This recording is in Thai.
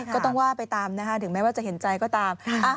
ก็ต้องว่าไปตามนะคะถึงแม้ว่าจะเห็นใจก็ตาม